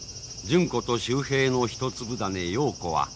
純子と秀平の一粒種陽子は６歳。